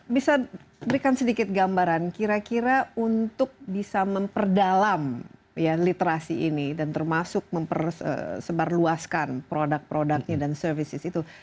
bisa berikan sedikit gambaran kira kira untuk bisa memperdalam literasi ini dan termasuk mempersebarluaskan produk produknya dan services itu